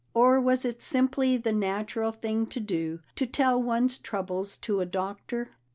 Or was it simply the natural thing to do to tell one's troubles to a doctor?